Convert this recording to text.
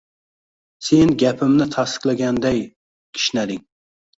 Sen gapimni tasdiqlagandayin kishnading.